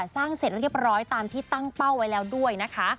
เสร็จเรียบร้อยตามที่ตั้งเป้าไว้แล้วด้วยนะคะ